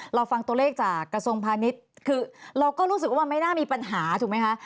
เราฟังตัวเลขจากกระทรวงพาณิชย์คือเราก็รู้สึกว่ามันไม่น่ามีปัญหาถูกไหมคะ